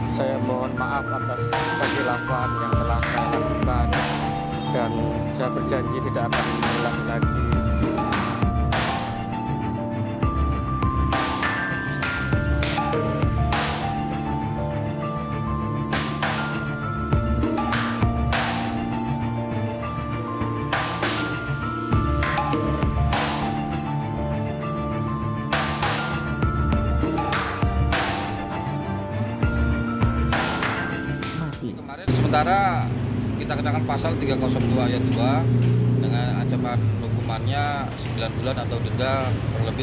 saya mohon maaf atas kekhilafan yang telah saya lakukan dan saya berjanji tidak akan mengulangi lagi